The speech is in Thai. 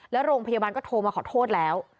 แล้วโรงพยาบาลก็โทรมาขอโทษแล้ว